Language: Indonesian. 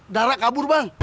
darah kabur bang